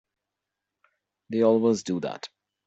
They always do that.